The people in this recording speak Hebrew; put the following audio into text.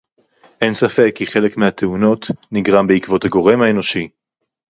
אין ספק כי חלק מהתאונות נגרם בעקבות הגורם האנושי